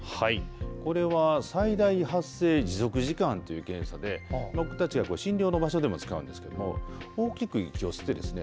これは最大発声持続時間という検査で僕たちは診療の場所でも使うんですけども大きく息を吸ってですね